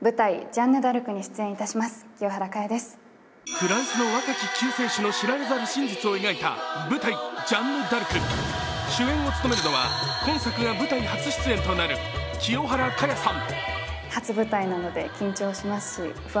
フランスの若き救世主の知られざる真実を描いた舞台「ジャンヌ・ダルク」主演を務めるのは今作が舞台初出演となる清原果耶さん。